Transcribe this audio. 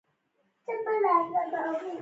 یوديوسکر د نړۍ تر ټولو مشهوره بیټسمېنه وه.